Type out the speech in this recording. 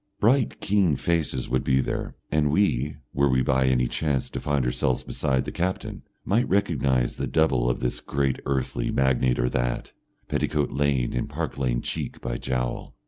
Bright, keen faces would be there, and we, were we by any chance to find ourselves beside the captain, might recognise the double of this great earthly magnate or that, Petticoat Lane and Park Lane cheek by jowl.